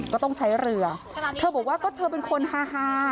ก็ต้องใช้เรือเธอบอกว่าก็เธอเป็นคนฮา